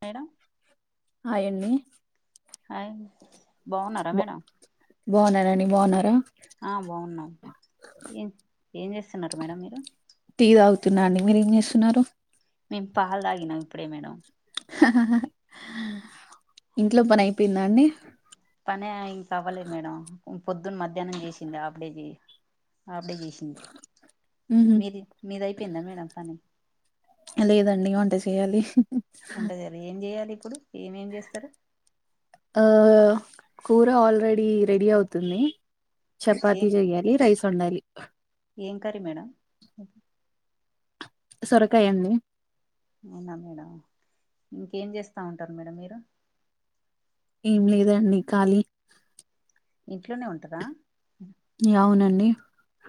Madam హాయండి hi బాగున్నారా బ మేడం బావున్నరండి బావున్నారా? ఆ బావున్నాం ఏం ఏం చేస్తున్నారు మేడం మీరు? టీ తాగుతున్నా అండి మీరు ఏం చేస్తున్నారు? మేము పాల్‌ తాగినం ఇప్పుడే మేడం. హా హా హ ఉ అండి పని అ ఇంకావ్వలెదు మేడం. పొద్దున్ మధ్యాహ్నం జేసిందా అప్పుడే జే ఆప్పుడే జేసింది ఉహు మీది మీదయిపోయిందా మేడం పని? లేదండి వంట చేయాలి. వంట జేయాలి ఏం జెయాలి ఇప్పుడు ఏమేం జేస్తారు? ఆ కూర ఆల్రెడీ రెడీ అవుతుంది. చపాతి ఏం జేయ్యాలి రైస్ వండాలి. ఏం కర్రీ మేడం? సొరకాయండి. అవునా మేడం ఇంకేం చేస్తా ఉంటారు మేడం మీరు? ఏం లేదండి ఖాళీ ఇంట్లోనే ఉంటదా? యా అవునండి.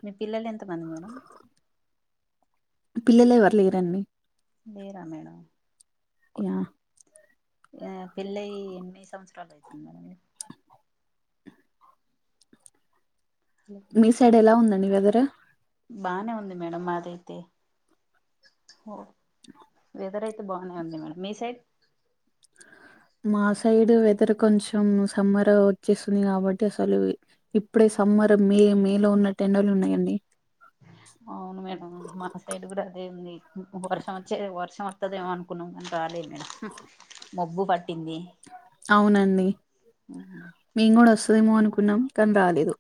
మీ పిల్లలు ఎంతమంది మేడం? పిల్లలేవర్లేరండి. లేేరా మేడం యా యా పెళ్ళై ఎన్ని సంవత్సరాలు అయితుంది మేడం? మీ సైడ్ ఎలా ఉందండి వెథరు? బానే ఉంది మేడమ్ మాదైతే ఓ వెథర్ అయి బావున్నయంది మేడం మీ సైడ్? మా సైడ్ వెథర్ కొంచెం సమ్మర్ వచ్చేస్తుంది కాబట్టి అసలు ఇ ఇప్పుడే సమ్ అమ్మరు మే మేలో ఉన్నట్టు ఎండళ్లు ఉన్నాయండి. అవును మేడం మా సైడ్ గూడా అదే ఉంది. వర్షం వచ్చే వర్షం వత్తదేమో అనుకున్నాం మే రాలేదా హు మబ్బు పట్ట్ అవునండి మేము గూడా వస్ తేమో అనుకున్నం కానీ రాలేదు.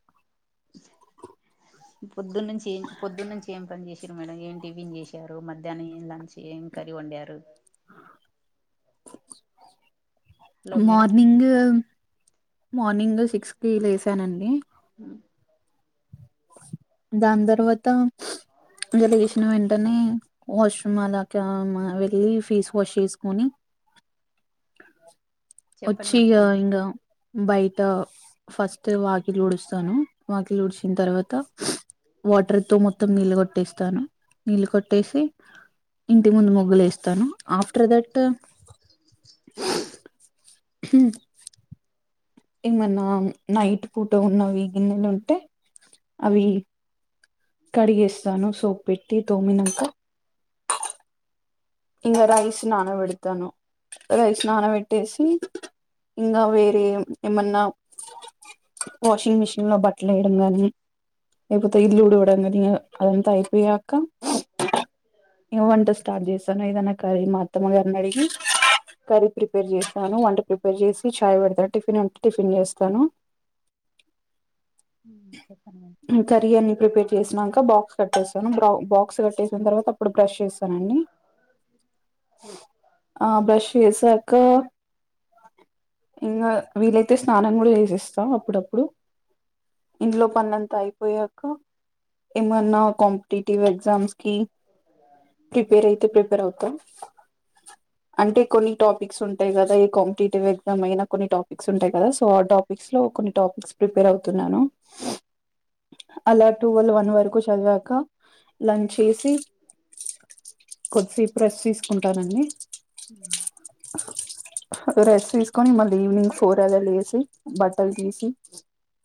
పొద్దున్నుంచి పొద్దున్నుంచి ఏం పని చేస్ సిరు మేడం ఏం టిఫిన్ చేశారు మధ్యాహ్నం ఏం లంచ్ ఏం కర్రీ వండారు? Hello madam morning morning six కి లేసానండి. దాన్ తర్వాత ఇగ లేశిన వెన్ టనే వాష్రూమ్ అలాగా మా వెళ్ళి ఫేస్ వాష్ చేస్కొని చెప్పండి వచ్చి ఆ మేడం ఇంగ బై ట్ ఫస్ట్ వాకిలు ఉడుస్తాను. వాకిల్ ఊడ్చిన్ తర్వాత వాటర్ తో మొత్తం నీళ్ళు కొట్టేస్తాను. నీళ్ళు కొట్టేసి ఇంటి ముందు మొగ్గులేస్ తను ఆఫ్టర్ దట్ [unintelligible] ఏమన్నా నైట్ పూట ఉన్నవి గిన్నెలుంటే అవీ కడిగేస్తాను సోప్ పెట్టి తోమినంక. ఇంగ రైస్ నానావెడ్తాను రైస్ నానావెట్టేసి ఇంగా వేరే ఏమన్నా వాషింగ్ మిషిన్లో బట్లేయడం గాని లేక్పోతే ఇల్లు ఊడవడం గాని అదంతా అయిపోయాక ఇగ వంట స్టార్ట్ చేస్తా ఏదన్న కర్రీ మా అత్తమ్మగార్నడిగి కర్రీ ప్రిపేర్ చేస్తాను వంట ప్రిపేర్ చేసి చాయ్ పెడ్తా టిఫిన్ అంటే టిఫిన్ చేస్తాను. చెప్పండి మేడం కర్రీ అన్ని ప్రిపేర్ చేసినంక బాక్స్ కట్టేసాను. బ్ర బాక్స్ కట్టేసిన్ తర్వాత అప్పుడు బ్రష్ చేస్తానండి. ఆ బ్రష్ చేసాకా ఇంగా వీలైతే స్నానం గుడా చేసేస్తా అప్పుడప్పుడు ఇంట్లో పనంత అయిపోయాక ఏమన్నా కాంపిటీటివ్ ఎగ్జామ్స్కి ప్రిపేర్ ఐయితే ప్రిపేర్ అవుత అంటే కొన్ని టాపిక్స్ ఉంటాయి గదా ఇ కాంపిటేటివ్ ఎగ్జామ్ అయినా కొన్ని టాపిక్స్ ఉంటాయి కదా సో ఆ టాపిక్స్లో కొన్ని టాపిక్స్ ప్రిపేర్ అవుతున్నాను. అలా టువల్ వన్ వరకు చదివాక లంచేసి కొద్సెప్ రెస్ట్ తీస్కుంటానండి. రెస్ట్ తీస్కొని మళ్ళీ ఈవినింగ్ ఫోర్ అలా లేసి బట్టల్ తీసి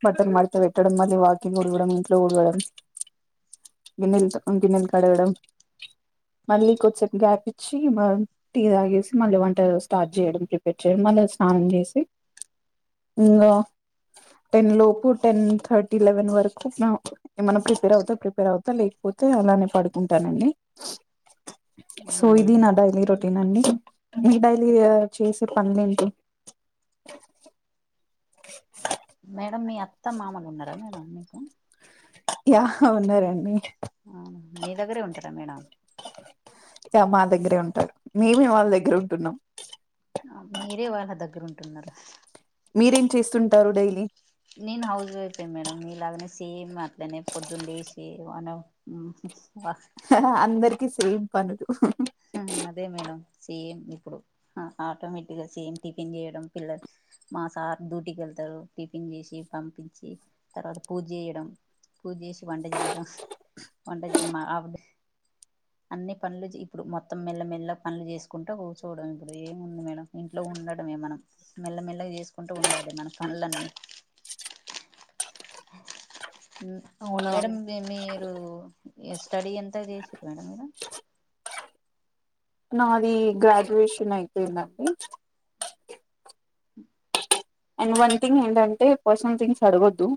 బట్టల్ మడ్త వెట్టడం మళ్ళీ వాకిల్ ఊడవడం ఇంట్లో ఊడవడం గిన్నెల్ త గిన్నెల్ కడగడం. మళ్ళీ కొద్దిసేపు గ్యాపిచ్చి మ టీ తాగేసి మళ్ళీ వంట స్టార్ట్ చేయడం. [inaudible] మళ్ల స్నానం చేసి ఇంగా టెన్ లోపు టెన్ థర్టీ లెవెన్ వరకు న ఏమన్న ప్రిపేర్ అవుతా ప్రిపేర్ అవుతా లేక్పో తే అలానే పడుకుంటానండి. సో అవునా ఇది నా మేడం డైలీ రొటీన్ అండి మీ డైలీ ఆ చేసె పన్లెంటీ మేడం మీ అత్త, మామలున్నరా మేడం మీకు యా ఉన్నారండి. మీ దగ్గరే ఉంటరా మేడం. టర్ మేమే వాళ్ళ దగ్గర ఉంటున్నాం. మీరే వాళ్ళ దగ్గర ఉంటున్నరా? మీరేం చేస్తుంటారు డైలీ? నేన్ హౌస్ వైఫ్ ఏ మేడం మీ లాగనే సేమ్ అట్లనే పొద్దున్ లేసి వనం వ అందర్కి సేమ్ పనులు అదే మేడం సేమ్ ఇప్పుడు అ ఆటోమేటిక్గా సేమ్ టిఫిన్ చేయడం పిల్లల్ మా సార్ డ్యూటీ కెళ్తారు. టిఫిన్ చేసి పంపిచ్చి తర్వాత పూజ చేయడం పూజ చేసి వంట చేయడం వంట చె మా ఆ అన్ని పనులు చ్ ఇప్పుడు మొత్తం మెల్ల మెల్ల పనులు చేసుకుంట కూర్చోవడమే ఇప్పుడు ఎం ఉంది మేడం ఇంట్లో ఉండడమే మనం మెల్లమెల్లగ చేసుకుంటూ ఉండాలి మన పనులన్నీ అవునా మేడం మి మీరు స్టడీ ఎంత చేసింరు మేడం మీరు నాది గ్రాడ్యుషన్ అయిపోయిందండి. అండ్ వన్ థింగ్ ఏంటంటే పర్సనల్ థింగ్స్ అడగొద్దు.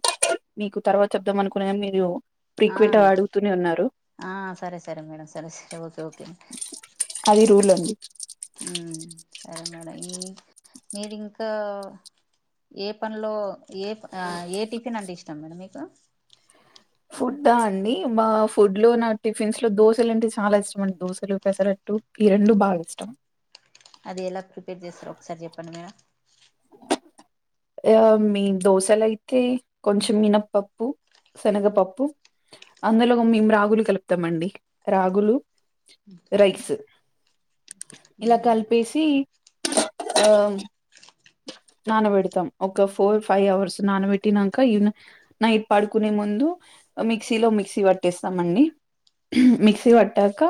మీకు తర్వాత చెప్దాం అనుకున్న గని మీరు ఆ ప్రైక్విట అడుగుతూనే ఉన్నార్ ఆ సరే సరే మేడం సరే సరే ఓకే ఓకే అది రూల్ అండి హుమ్ సరే మేడం ఈ మీదింకా ఏ పనులో ఏ ఆ ఏ టిఫిన్ అంటే ఇష్టం మేడం మీకు ఫుడ్డ ఆ అండి మా ఫుడ్ లో నా టిఫిన్స్ లో దోశలు అంటే చాలా ఇష్టం అండి దోశలు పెసరట్టు ఈ రెండు బాగా ఇష్టం అది ఎలా ప్రిపేర్ చేస్తారో ఒకసారి చెప్పండి మేడం ఆ మీమ్ దోశలైతే కొంచెం మినప్పప్పు శనగపప్పు అందులో మేము రాగులు కలుపుతామండి రాగులు రైస్స్ ఇలా కలిపేసి ఆ నానబెడుతాం ఒక ఫోర్ ఫైవ్ అవర్స్ నానబెట్టినంక ఈవ్న నైట్ పడుకునే ముందు మిక్సీ లో మిక్సీ పట్టేస్తామండి మిక్సీ పట్టాక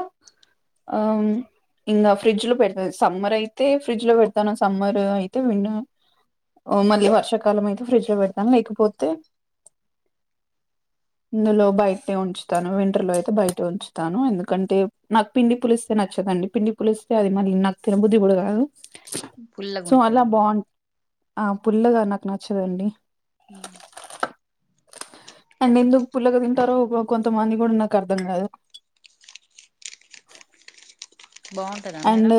ఆ ఇంగ ఫ్రిడ్జ్ లో పెడతా సమ్మర్ అయితే ఫ్రిడ్జ్ లో పెడతాను సమ్మర్ అయితే విన్ ఓ మళ్ళీ వర్షాకాలం అయితే ఫ్రిడ్జ్ లో పెడుతాం లేకపోతే ఇందులో బయట్నే ఉంచుతాను వింటర్ లో అయితే బయటే ఉంచుతాను ఎందుకంటే నాకు పిండి పులిస్తే న చ్చదండి పిండి పులిస్తే అది మళ్ళి నాకు తిన బుద్ది కూడా కాదు సో అలా పుల్లగుంటది మెడ్ బాగుం ఆ పుల్లగా నాకు నచ్చదండి హుమ్ అండ్ ఎందుకు పుల్లగా తింటారో కొంతమంది కూడా నాకు అర్ధం కాదు బాగుంటదా అండ్ మేడం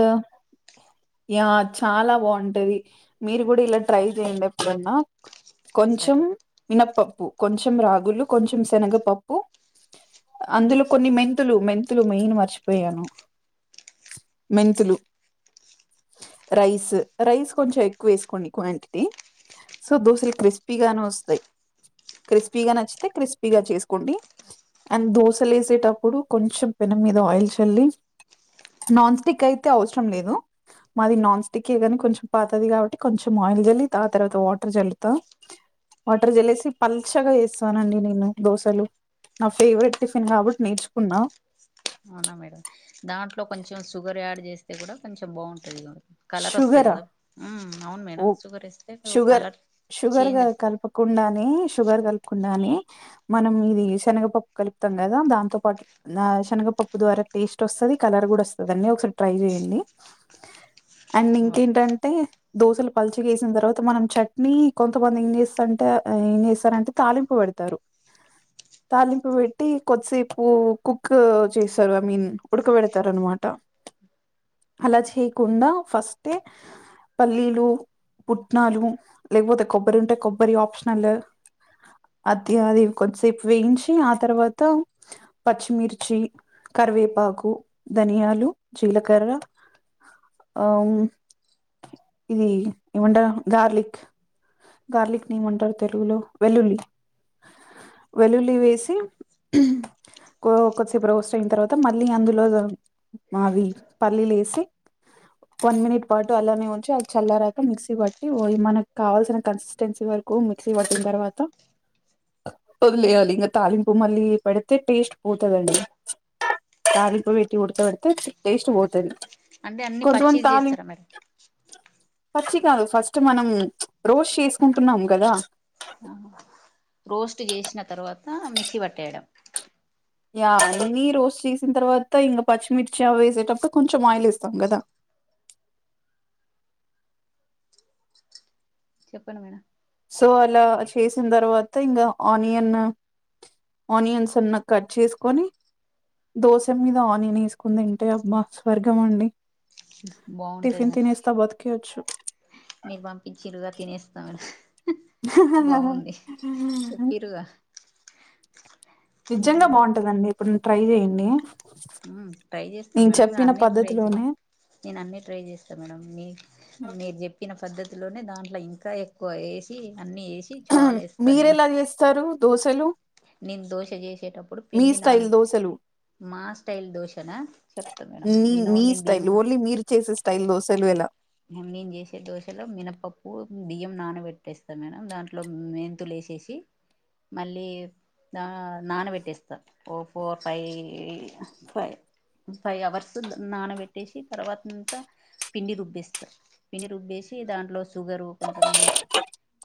యా చాలా బాగుంటది మీరు కూడా ఇలా ట్రై చెయండి ఎప్పుడైనా కొంచెం సరే మీనపప్పు కొంచెం రాగులు కొంచెం శనగపప్పు అందులో కొన్ని మెంతులు మెంతులు మెయిన్ మర్చిపోయాను మెంతులు రైస్ రైస్ కొంచెం ఎక్కువ వేసుకోండి క్వాంటిటీ సో దోశలు క్రిస్పీగానోస్తాయ్ క్రిస్పీగా నచ్చితే క్రిస్పీగా చేసుకోండి అండ్ దోసలు వేసేటప్పుడు కొంచెం పె నం మీద ఆయిల్ చెల్లి నాన్ స్టిక్ అయితే అవసరం లేదు మాది నాన్ స్టిక్ ఏ కానీ కొంచెం పాతది కాబట్టి కొంచెం ఆయిల్ జల్లి ఆ తర్వాత వాటర్ జల్లుతా వాటర్ జాల్లెసి పల్చగా వేస్తానండి నేను దోశలు నా ఫేవరెట్ టిఫిన్ కాబట్టి నేర్చుకున్నా అవునా మేడం దాంట్లో కొంచెం సుగర్ ఆడ్ చేస్తే కూడా కొంచెం బాగుంటది ఇగ కలరోస్తాది షుగరా కదా హు అవును మేడం. షుగర్ ఏస్తే, కలర్ చేంజ్ షుగర్గా వస్తుంది కల్పకుండానే షుగర్ కల్ కుండానే మనం ఇది శనగపప్పు కలుపుతాం కదా దాంతో పాటు ఆ శనగపప్పు ద్వారా టేస్ట్ వస్తుంది కలర్ కూడా వస్తది అండి ఒకసారి ట్రై చేయండి అండ్ ఓకే ఇంకేంటంటే దోశలు పల్చగేసిన తర్వాత మనం చట్నీ కొంతమంది ఏం చేస్తంటే అ హ్ ఏం చేస్తారంటే తాలిపుపేడతారు తాలింపు పెట్టి కొద్దిసేపు కుక్ చేస్తారు ఐ మీన్ ఉడుకబెడుతారు అన్నమాట అలా చేయకుండా ఫస్ట్ ఏ పల్లీలు పుట్నాలు లేకపోతే కొబ్బరి ఉంటే కొబ్బరి ఆప్షనల్ అది అది కొద్దిసేపు వేయించి ఆ తర్వాత పచ్చిమిర్చి కరివేపాకు ధనియాలు జీలకర్ర బ్లాంక్ ఆమ్ ఇది ఏమంటరూ గార్లిక్ గార్లిక్ ని ఎం అంటారు తెలుగులో వెల్లుల్లి బ్లాంక్ వెలుల్లి వేసి కొ కొద్దిసేపు రోస్ట్ అయిన తర్వాత మళ్ళీ అందులో మావి పల్లీలు ఎసి వన్ మినిట్ పాటు అలానే ఉంచి అది చల్లరాక మిక్సీ బట్టి ఓయి మనకు కావాల్సిన కన్సిస్టెన్సీ వరకు మిక్సీ పట్టిన తర్వాత వదిలేయాలి ఇంగా తాలింపు మళ్ళీ పెడితే టేస్ట్ పోతదండి తాలిపోయేట్టి ఉడక పెడితే టేస్ట్ పోతది అంటే అన్ని కొంతమంది పచ్చిది తాలింపు చేస్తార మెడం పచ్చి కాదు ఫస్ట్ మనం రోస్ట్ చేసుకుంటున్నాం కదా ఆ రోస్ట్ చేసిన తర్వాత మిక్సీ పట్టేయడం యా మీరు రోస్ట్ చేసిన తర్వాత ఇంగ పచ్చిమిర్చి అవి వేసేటప్పుడు కొంచెం ఆయిల్ యేస్తాం కదా బ్లాంక్ చెప్పండి మేడం సో అలా చేసిన తర్వాత ఇంగ ఆనియన్ ఆనియన్స్ సన్నగ కట్ చేసుకొని దోశ మీద ఆనియన్ వేసుకుని తింటే అబ్బా స్వర్గం అండి బాగుంటది టిఫన్ మేడం తినేస్తబత్కేయొచ్చు మీరు పంపించిరుగా తినేస్తామ్ బాగుంది చెప్పిరుగా నిజంగా ఉమ్, బాగుంటందండి ఎప్పుడైన ట్రై చెయండి ఉమ్ ట్రై చేస్తాం మేడం అన్ని ట్రై చేస్తా పద్ధతిలోనే నేను అన్నిీ ట్రై చేస్తా మేడం మీ మీరు చెప్పిన పద్ధతిలోనే దాంట్ల ఇంకా ఎక్కువ ఎసి అన్ని ఎసి చాలా ఎస్తా నేను దోసెలు నేను దోష చేసేటప్పుడు పిండి నాన స్టైల్ దోశలు మా స్టైల్ దోషనా చెప్తా మేడం మీ నేను మీ నేను బియ్యం స్టైల్ నా ఓన్లీ మీరు చేసే స్టైల్ దోశలు ఎలా నేను చేసే దోశలో మినపప్పు బియ్యం నానబెట్టేస్తా మేడం దాంట్లో మెంతులు ఎసేసి సి మళ్ళీ ద నానబెట్టేస్తా ఓ ఫోర్ ఫైయీ ఫై ఫైవ్ అవర్స్ నానబెట్టేసి తర్వాతంతా పిండి రుబ్బిస్ పిండి రుబ్బేసి దాంట్లో షుగరు కొంచెం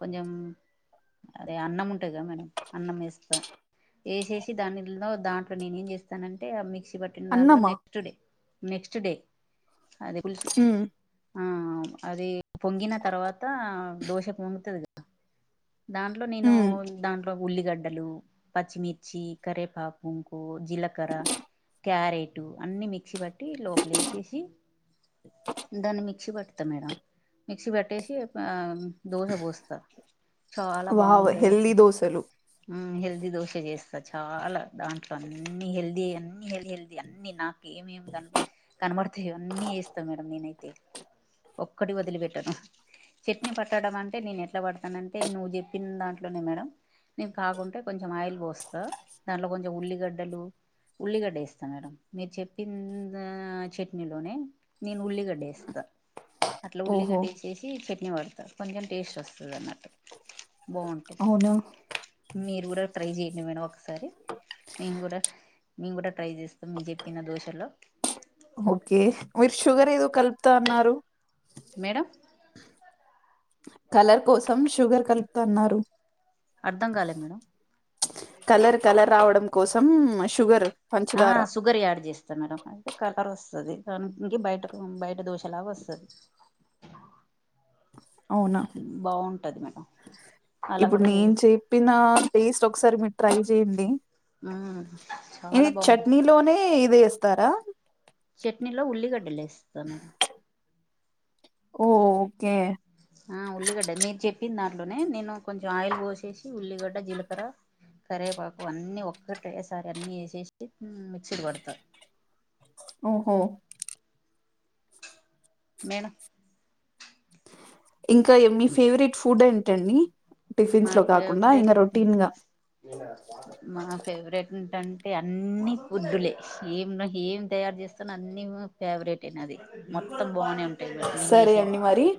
కొంచెం అదే అన్నం ఉంటది కదా మేడం అన్నం ఎస్తా ఎసేసి దానిలో దాంట్లో నేను ఏం చేస్తానంటే ఆ మిక్సీ పట్టిన్ దాంట్లో అన్నమా నెక్స్ట్ డే నెక్స్ట్ డే అది పులుసు హ్మ్ ఆ అవును అది పొంగిన తర్వాత దోశ పొంగుతది కదా దాంట్లో నేను హ్మ్ దాంట్ ఉల్లిగడ్డలు పచ్చిమిర్చి కరేపాకుంకు జీలకర్ర క్యారెట్ అన్ని మిక్సీ పట్టి లోపలే ఏసేసి త్త మేడం మిక్సి బట్టేసి ఆ దోశ బోస్త చాలా వావ్ బాగుంటది టే హెల్దీ దోశలు ఉమ్ హెల్ ది దోస చేస్తా చాలా దాంట్లో అన్నిీ హెల్దీ అన్ని హెల్దియ్ హెల్దీ అన్ని నా ఏమేమి కనబడతాయో అన్నీవేస్తం మేడం నేనైతే. ఒక్కటి వదిలిపెట్టాను చట్నీ పట్టడం అంటే నేను ఎట్లా పడు. అనంటే నువ్వు చెప్పిన దాంట్లోనే మేడం. నెన్ కాగుంటే కొంజెం ఆయిల్ పోస్తా దాంట్లో కొంచం ఉల్లిగడ్డలు ఉల్లిగడ్డేస్త మేడం మీరు చెప్పిందా ఆ చట్నీలోనే నేను ఉల్లిగడ్డేస్త అట్లా ఓహో ఉల్లిగడ్డేసేసి చట్నీ పడతారు కొంజెం టేస్ట్ ఒస్తాదన్న బావుంటాయి అవునా మీరు గూడా ట్రై చేయండి మేడం ఒకసారి. మేముగుడా మేంగుడా ట్రై చేస్తాం మీరు జెప్పిన దోశల్లో. ఓకే మీర్ షుగర్ ఏదో కలుపుతా అన్నారు. మేడం. కలర్ కోసం షుగర్ కలుపుతా అన్నారు. అర్థం కాలే మేడం ప్చ్ కలర్ కలర్ రావడం కోసం షుగర్. పంచదార ఆహ్ షుగర్ యాడ్ చేస్తా మేడం అయితే కలర్ వస్తది. అవును పొంగి బయటకు బయట దోషాల్లవస్తది. అవునా బావుంటది మేడం. అలా ఇప్పుడు కూడా చేయ నేను చెప్పిన టేస్ట్ ఒకసారి. ట్రై జెయండి మ్మ్ ఇది చాలా బాగుంటది చట్నీలోనే ఇది ఏస్తారా. చట్నీలో ఉల్లిగడ్డలు ఏస్తా మేడం. ఓకే. ఆహ్ ఉల్లిగడ్డ మీర్ చెప్పిందాంట్లోనే నేను కొంచెం ఆయిల్ వోసేసి ఉల్లిగడ్డ జీలకర్ర. కరెపాకు అన్ని ఒక్కటెసారి అన్ని ఏసేసి మిక్సిడ్వడ్త. ఓహో. మేను. ఇంకా ఏమి మీ ఫేవరెట్ ఫుడ్ ఏంటండి. నా టిఫిన్స్ లో కాకుండా ఫేవరెట్ ఇంగ ఫుడ్ రొటీన్ గా మా. ఫేవరెట్ ఏంటంటే అన్నీ ఫుడ్లే ఏం ఏం తయారు జేస్తాను అన్నీ ఫేవరెట్. ఫేవరెటే నాది మొత్తం బానే ఉంటాయి నేను సరే జేసేది. అండి మరి